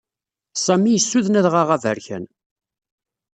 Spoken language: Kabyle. Sami yessuden Adɣaɣ Aberkan.